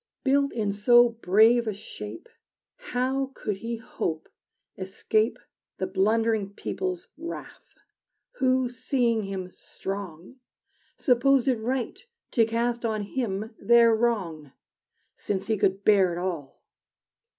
Built in so brave a shape, How could he hope escape The blundering people's wrath? Who, seeing him strong, Supposed it right to cast on him their wrong, Since he could bear it all!